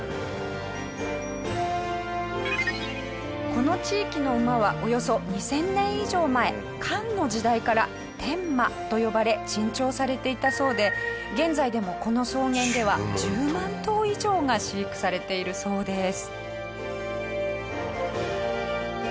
この地域の馬はおよそ２０００年以上前漢の時代から天馬と呼ばれ珍重されていたそうで現在でもこの草原では１０万頭以上が飼育されているそうです。